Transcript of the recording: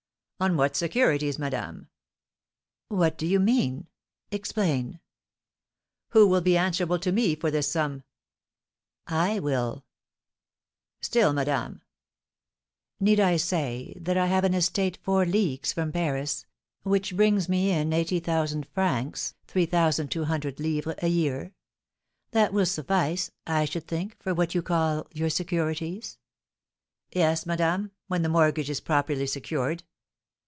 "On what securities, madame?" "What do you mean? Explain!" "Who will be answerable to me for this sum?" "I will." "Still, madame " "Need I say that I have an estate four leagues from Paris, which brings me in eighty thousand francs (3,200_l._) a year? That will suffice, I should think, for what you call your securities?" "Yes, madame, when the mortgage is properly secured."